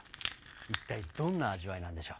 一体どんな味わいなんでしょう。